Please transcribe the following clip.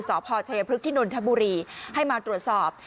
สพชัยพฤกษ์นนทบุรีให้มาตรวจสอบ